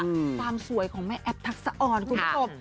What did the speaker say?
ความสวยของแม่แอบทักษะอ่อนคุณตบ